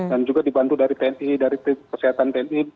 dan juga dibantu dari tni dari tim kesehatan tni